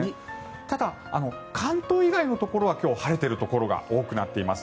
ただ、関東以外のところは今日、晴れているところが多くなっています。